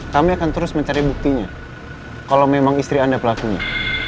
kami akan terus mencari buktinya kalau memang istri anda pelakunya